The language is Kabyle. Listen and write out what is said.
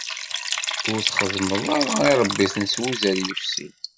Ur txeddmeḍ ara iṛebbiten s wuzzal yefsin.